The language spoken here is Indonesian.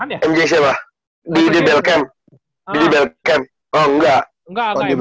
enggak enggak md emang enggak